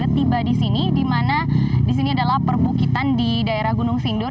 tiba di sini di mana di sini adalah perbukitan di daerah gunung sindur